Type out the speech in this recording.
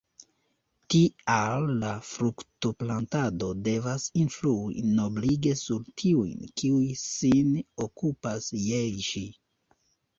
Tial la fruktoplantado devas influi noblige sur tiujn, kiuj sin okupas je ĝi.